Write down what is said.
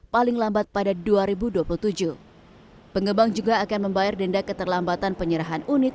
paling lambat pada dua ribu dua puluh tujuh pengembang juga akan membayar denda keterlambatan penyerahan unit